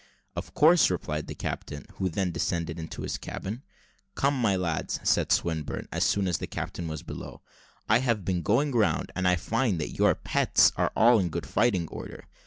"Of course," replied the captain, who then descended into his cabin. "Come, my lads," said Swinburne, as soon as the captain was below, "I have been going round, and I fine that your pets are all in good fighting order.